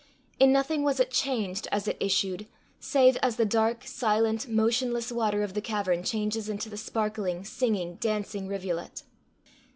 In nothing was it changed as it issued, save as the dark, silent, motionless water of the cavern changes into the sparkling, singing, dancing rivulet.